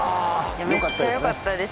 めっちゃよかったです